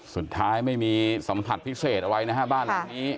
สุดท้ายไม่มีสัมผัสพิเศษอะไรนะฮะบ้านหลังนี้